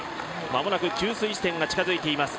まもなく給水地点が近づいています。